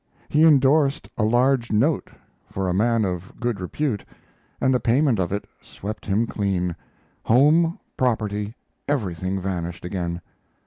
He endorsed a large note, for a man of good repute, and the payment of it swept him clean: home, property, everything vanished again.